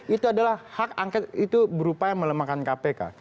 itu adalah hak angket itu berupaya melemahkan kpk